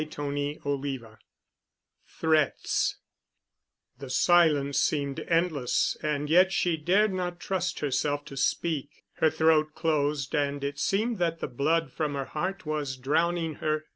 *CHAPTER VIII* *THREATS* The silence seemed endless and yet she dared not trust herself to speak. Her throat closed and it seemed that the blood from her heart was drowning her.